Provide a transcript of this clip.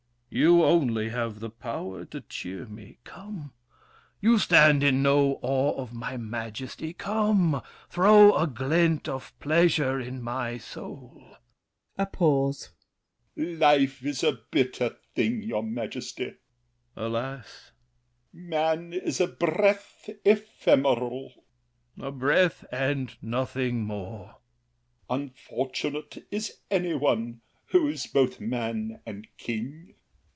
You, only, have the power to cheer me. Come! You stand in no awe of my majesty. Come, throw a glint of pleasure in my soul. [A pause. L'ANGELY. Life is a bitter thing, your Majesty. THE KING. Alas! L'ANGELY. Man is a breath ephemeral! THE KING. A breath, and nothing more! L'ANGELY. Unfortunate Is any one who is both man and king.